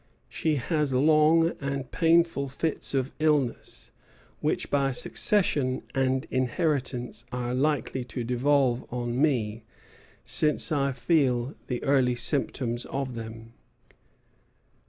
She has long and painful fits of illness, which by succession and inheritance are likely to devolve on me, since I feel the early symptoms of them."